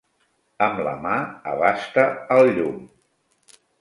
Amb la mà abasta al llum.